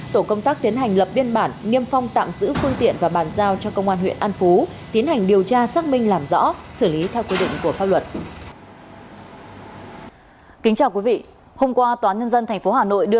tổ công tác tiến hành lập biên bản nghiêm phong tạm giữ phương tiện và bàn giao cho công an huyện an phú